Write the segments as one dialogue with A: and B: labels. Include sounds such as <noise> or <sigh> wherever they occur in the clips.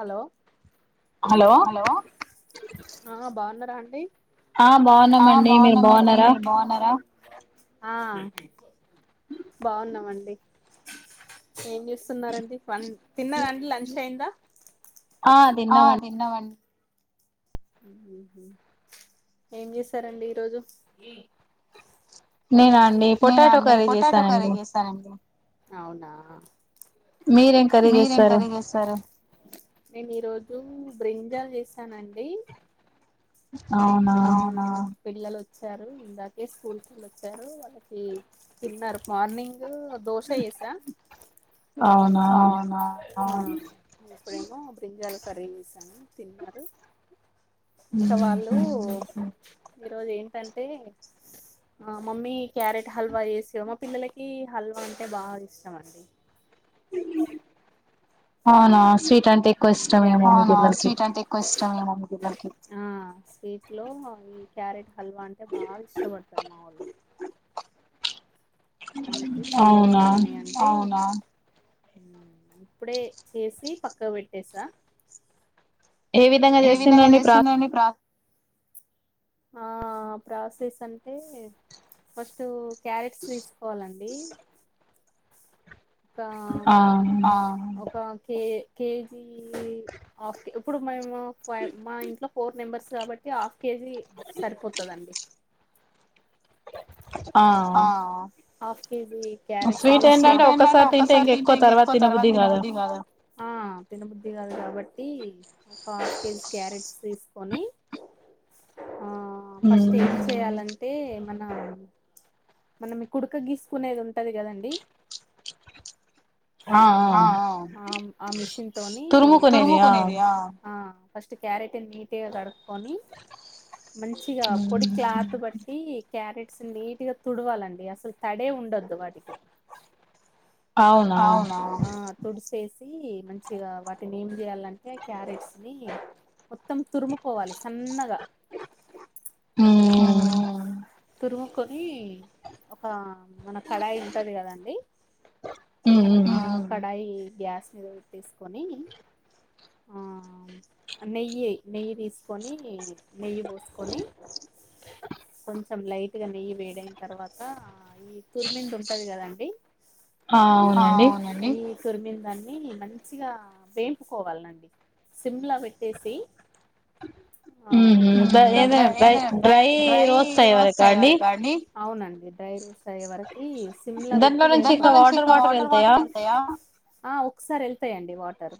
A: hello hello ఆ బాగున్నారా అండి ఆ బావున్నామండి మీరు బావున్నారా బాగున్నామండి ఏం చే స్తున్నారండి ఫ తిన్నండి లంచ్ టై దా ఆ అదిన్నవండి ఏం చేసారండి ఈరోోజు నేను అండి పొటాటో కర్ర చేేస్తానండి అవునా మీరేం కలిగేస్తారు నేను ఈరోోజు బ్రింజా చేశానండి
B: అవునా
A: పిల్లలు వచ్చారు ఇందాకే స్కూల్ కిళ్ళొచ్చారు వాళ్ళకి తిన్నారు మార్నింగ్ ఇ దోశ ఏసా అవునా ఎప్పుడ అ గింజాలు కర్రీ వసాను తిన్నారు ఇంకా వాళ్ళు ఈ రోజ ఏంటంటే ఆ మమ్మీ క్యారెట్ హల్వా చేేసేవా మా పిల్లలకి హల్వా అంటే బాగా ఇష్టం అండి
B: అవునా స్వీట్ అంటే ఎక్కువ ఇష్టమేమో మీ పిల్లలకి
A: ఇ ఆ స్వీట్ లో ఈ క్యారెట్ హల్వా అంటే బాగా ఇష్టపడతారు మా వాలు అంతే చెయ్యవా మమ్మీ అంటే ఇప్పుడే చేసి పక్క పెట్టసా ఏ విధంగా చేస్తున్నని ప్రార్ ఆ ప్రాసెస్ అంటే ఫస్ట్ క్యారెట్స్ తీసు పోాలండి ఒక ఒక కేజీ హాఫ్ కే ఇప్పుడు మేము ఫై్ మా ఇంట్లో ఫోర్ మెంబర్స్ కాబట్టి హాఫ్ కేజీ ది సరిపోతుందండి
B: ఆ
A: స్వీట్ ఏంటంటే ఒసారి తింటే ఇంక ఎక్కువ తర్వా తినబుద్ది కదా కాదు కాబట్టి ఒక హాఫ్ కేజీ క్యారెట్స్ తీసుకొని ఫస్ట్ ఏం చేయాలంటే మన మనం మీ కుడుక గీసుకునేది ఉంటది కదండి ఆ మిషన్ తోని తురుముకునేదియా ఫస్ట్ క్యారెట్ నీట్గా కడుక్కకొని మంచిగా పొడి క్లాత్ బట్టి క్యారెట్స్ నీట్గా తుడవాలండి అసలు తడే ఉండొద్దు వాటికి అవునావు తూడిసేసి మంచిగా వాటిని ఏం చేయాలంటే క్యారెట్స్ ని మొత్తం తురుముకోవాలి సన్నగా తురుముకొని ఒక మన కడాయి ఉంటది కదండి ఆ కడాయి గ్యాస్ మీద థీసుకొని ఆ నెయ్యి నెయ్యి తీసుకొని నెయ్యి పోసుకొని కొంచెం లైట్ గా నెయ్యి వేడిన తర్వాత ఈ తురిమిందు ఉంటది కదండి ఆ అవునండి ఈ తురిమి దాన్ని మంచిగా వేంపుకోవాలండి సిమ్లా పెట్టేసి మొత్తం ఏదడై డ్రై రోస్ట్ చేయాలా కదండీ అవునండీ డై రూస్యే వరకి సిమ్ లో పెట్టించి వాటర్ వాటర్ వెళ్తాయా ఆ ఒకసారి వెళ్తాయంండి వాటరు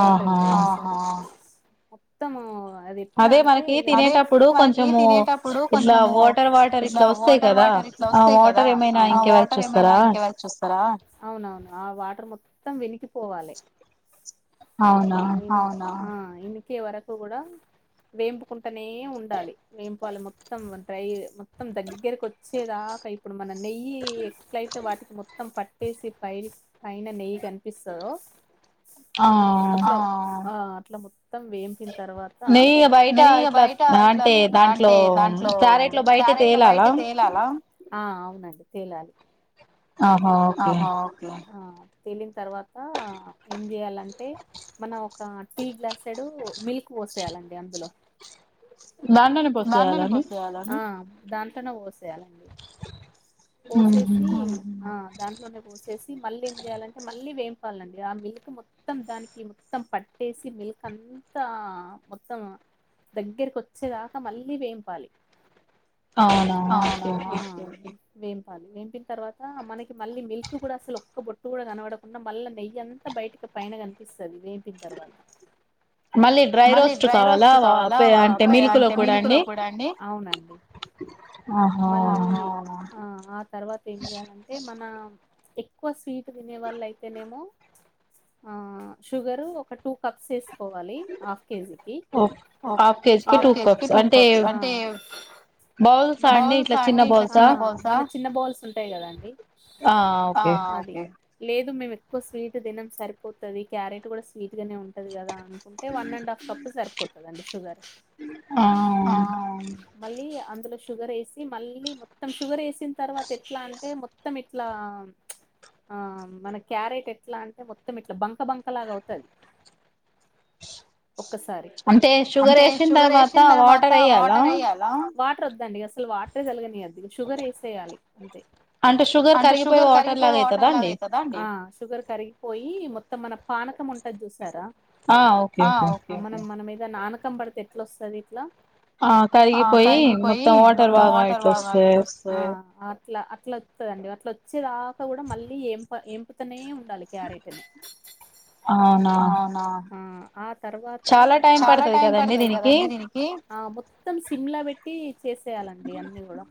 A: వాటర్ వెళ్తాయీ మొత్తము అది ఎట్లా అంటే అదే మనకి తినేటప్పుడు కొంచము ఇట్లా వాటర్ వాటర్ ఇట్లా వస్తాయి కదా వాటర్ ఏమైనా ఇంకేవళ చూస్తారా అవునవును ఆ వాటర్ మొత్త మొత్తం వెనికిపోవాలి ఆ ఇన్నికే వరకు కూడాడా వేంపుకుంటూనే ఉండాలి వేంపాలి మొత్తం డ్రై మొత్తం దగ్గరకి వచ్చేదాకా ఇప్పుడు మన నెయ్యి ఎట్లయితే వాటికి పెట్టుకుంటం పట్టు పట్టేసి పై పైన నెయ్యి కనిపిస్తాదో మొత్తం వెంపిన తరువాత కారేట్ లో బయట తేలాలా
B: ఆహా ఓకే
A: ఆ తెేలిన తర్వాత ఏం చేయాలంటే మన ఒక టీ గ్లాస్ ఎడు మిల్క్ పోసేయాలండి అందులో దాంట్లోని పోసేయాలా దాంట్లోని పోసేయాలీ పోసేసి ఆ దాంట్లోనే పోసేసి మళ్ళీ ఏం చేయాలంటే మళ్ళీ వేం చెప్పాలండి ఆ మిల్క్ మొత్తం దానికి మొత్తం పట్టేసి మిల్క్ అంతా మొత్తం దగ్గరకి వచ్చేదాకా మళ్ళీ వేంపాలి వేంపాలి వేంపిన తర్వాత మనకి మళ్ళీ మిల్క్ కూడా అసలు ఒక్క బొట్టు కూడా కనబడకుండా మళ్ళ నెయ్య అంతా బయటకి పైన కనిపిస్తుంది ఆది వేపిన తర్వాత మళ్ళీ డ్రై రోస్ట్ కావాలా అంటే మిల్క్ లో కూడా అండి అవునండి మళ్ళీ ఆ ఆ తర్వాత ఏం చేయాలంటే మన ఎక్కువ స్వీట్ తినే వాళ్ళ అయితేనేమో షుగరు ఒక టూ కప్స్ వేసుకోవాలి హాఫ్ కేజీకి ఓ హాఫ్ కేజీకి టూ కప్స్ అంటే బౌల్సా అండి ఇట్లా చిన్న బౌల్సా చిన్న బౌల్స్ ఉంటాయి కదాండి ఆ లేదు మేము ఎక్కువ స్వీట్ తినం సరిపోతుంది క్యారెట్ కూడా స్వీట్ నే ఉంటది కదా అనుకుంటే వన్ అండ్ హాఫ్ కప్పు సరిపోతుందండి షుగర్ ఆ మళ్ళీ అ అందులో షుగర్ వేసి మళ్ళీ మొత్తం షుగర్ వేసిన తర్వాత ఎట్లా అంటే మొత్తం ఇట్లా ఆ మన క్యారెట్ ఎట్లా అంటే మొత్తం ఇట్లా బంక బంక లాగ అవుతుది ఒక్కసారి అంటే షుగర్ వేసిన తర్వాత వాటర్ వేయాలా వాటర్ వద్దండి అసలు వాటర్ తలగనీద్ది షుగర్ వేసేయాలి అంతే అంటే షుగర్ కరిగిపోయి వాటర్ లాగ అవుతుందా అండి షుగర్ కరిగిపోయి మొత్తం మన పానకం ఉంటది చూసారా మన మన దాని నానకం పడితే ఎట్లా వస్తుది ఇట్లా ఆ కరిగిపోయి మొత్తం వాఓటర్ భాగయిట్ వస్తది అట్లా అట్లా వస్తుదండి అట్లా వచ్చేదాకా కూడా మళ్ళీ ఎంప ఎంపుతనే ఉంట క్యారేట్ ఆ తర్వాత చాలా టైం పడుతుది కదండి దీనికి ఆ మొత్తం సిమ్లా పెట్టి చేసేయాలండి అన్ని కూడా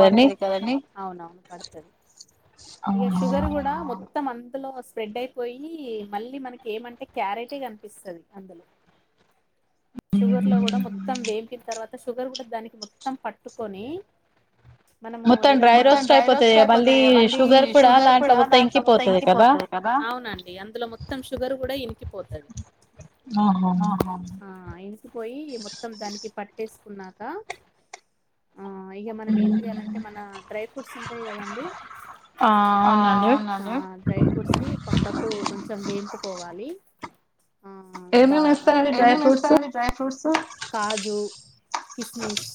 A: పడతది కదండీ అందులో స్ప్రెడ్ అయిపోయి మళ్ళీ మనకి ఏమంటే క్యారెట్ కనిపిస్తది అందులో అ షుగర్ లో కూడా మొత్తం వేంపిన తర్వాత షుగర్ కూడా దానికి మొత్తం పట్టుకొని మనము ఏదన్నా మొత్తం డ్రై రోస్ట్ అయిపోతుది మళ్ళీ షుగర్ కూడా దాంట్లో మొత్తం ఎంకిపోతుది అవునండి అందులో మొత్తం షుగర్ కూడా ఇంకిపోతాది
B: ఆహా
A: ఆ ఇంకిపోయి మొత్తం దానికి పట్టేసుకున్నాక ఆ మనం ఏం చేయాలంటే మన డ్రై ఫ్రూట్స్ ఉంటాయి కదండి ఆ అవునాను డ్రై ఫ్రూట్స్ పక్కకు కొంచెం వేయించుకోవాలి ఆ బా అది ఎమస్తారండి డ్రై ఫ్రూట్స్ కాజు కిష్మిస్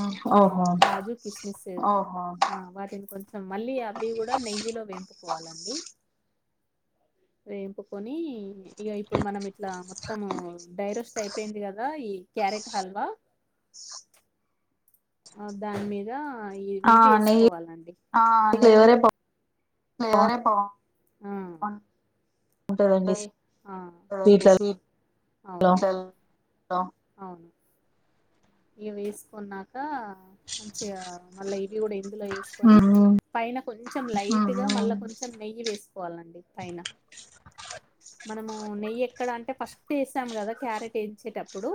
A: ఆ కాజు కిస్మిస్ వాటిని కొంచం మళ్ళీ అవి కూడా నెయ్యిలో వెంపుకోవాలండి వేంపుకొని ఇక ఇప్పుడు మనం ఇట్లా మొత్తము డైరస్ట్ అయిపోయింది కదా ఈ క్యారెట్ హల్వా ఆ దాని మీద నెయ్యి వేసుకోవాలండి ఆ నెయ్యి లేవర పో కా ఆ స్వీట్ <unintelligible> అవును ఇవి వేసుకున్నాక మంచిగా మళ్ళా ఇవి కూడా ఇందులో వేసుకొని పైన కొంచెం లైట్గా మళ్ళ కొంచెం నెయ్యి వేసుకోవాలండి పైన మనము నెయ్యి ఎక్కడ అంటే ఫస్ట్ వేసాము కదా క్యారెట్ వేంచేటప్పుడు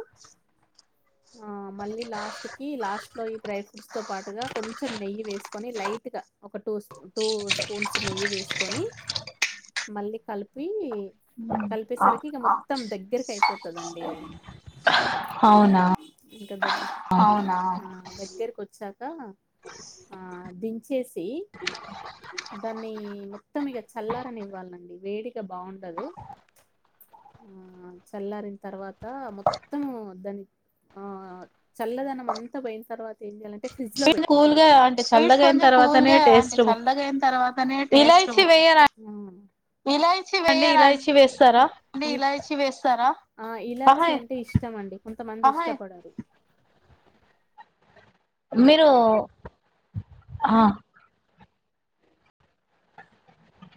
A: ఆ మళ్ళీ లాస్ట్ కి లాస్ట్ లో ఈ డ్రై ఫ్రూట్స్ తో పాటుగా కొంచెం నెయ్యి వేసుకొని లైట్ గా ఒక టూ స్ టూ స్పూన్స్ నెయ్యి వేసుకొని మళ్ళీ కలిపి కలిపేసరికి ఇక మొత్తం దగ్గరకి అయిపోతుందండి అది
B: అవునా
A: అవునా ఆ దగ్గరకి వచ్చాక ఆ దించేసి దాన్ని మొత్తం ఇక చల్లారని ఇవ్వాలండి వేడిక బాగుండదు ఉ చల్లారిన తర్వాత మొత్తం దానికి ఆ చల్లదనం అంతా పోయిన తర్వాత ఏం చేయాలంటే ఫ్రిడ్జ్ లో పెట్టేయాలి స్వీట్స్ కొంచెం కూల్ గా అంటే చల్లగా అయిన తర్వాతనే టేస్ట్ ఇలాచి వేయరాన్ అంటే ఇలాచి వేస్తారా ఇలాచి అంటే ఇష్టం అండి కొంచ కొంతమంది ఇష్టపడరు
B: మీరు ఆ